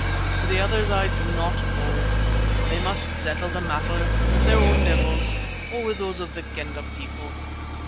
For the others I do not know. They must settle the matter with their own devils, or with those of the Kendah people.